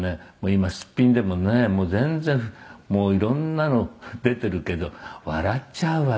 今スッピンでもねえ全然もう色んなの出ているけど笑っちゃうわよ」